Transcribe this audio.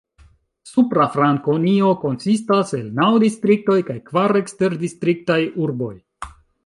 Supra Frankonio konsistas el naŭ distriktoj kaj kvar eksterdistriktaj urboj.